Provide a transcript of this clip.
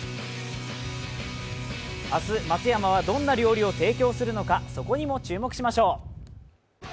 明日、松山はどんな料理を提供するのか、そこにも注目しましょう！